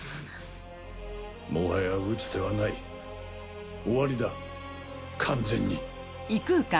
もはや打つ手はない終わりだ完全に。